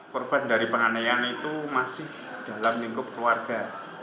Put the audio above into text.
korban dari penganeian itu masih dalam lingkup keluarga